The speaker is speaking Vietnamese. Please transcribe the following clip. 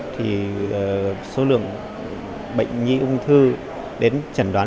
thì số lượng bệnh nhi ung thư đến chẩn đoán